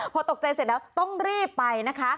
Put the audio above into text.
พอตกใจเสร็จแล้วต้องรีบไปนะคะ